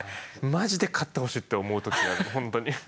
マジで勝ってほしいって思う時があるほんとに。